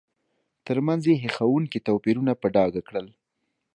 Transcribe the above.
ترمنځ یې هیښوونکي توپیرونه په ډاګه کړل.